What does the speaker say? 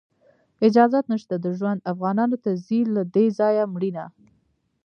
اجازت نشته د ژوند، افغانانو ته ځي له دې ځایه مړینه